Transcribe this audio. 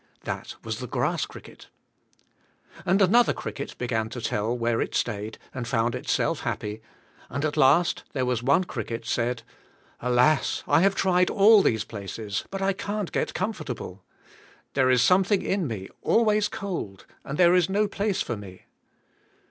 That was the grass cricket. And another cricket begai to tell where it stayed and found itself happy. JESUS ABI.E TO KKEP. 213 and at last there was one cricket said, "Alas, I have tried all these places, but I can't g et comfortable. There is something" in me always cold and there is no place for me."